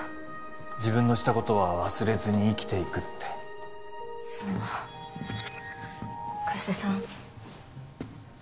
自分のしたことは忘れずに生きていくってそう加瀬さん